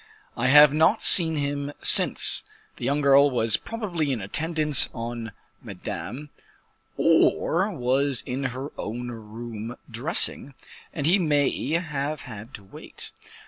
"I have not seen him since; the young girl was probably in attendance on Madame, or was in her own room dressing, and he may have had to wait.